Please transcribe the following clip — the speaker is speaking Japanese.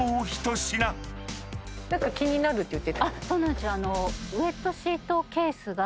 何か気になるって言ってた。